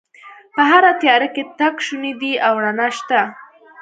په هره تیاره کې تګ شونی دی او رڼا شته